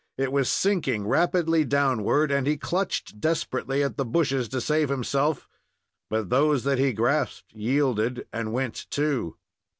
It was sinking rapidly downward, and he clutched desperately at the bushes to save himself, but those that he grasped yielded and went, too.